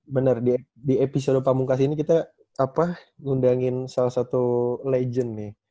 benar di episode pamungkas ini kita ngundangin salah satu legend nih